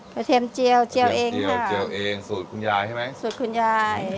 เทียมเจียวเจียวเองเจียวเจียวเองสูตรคุณยายใช่ไหมสูตรคุณยาย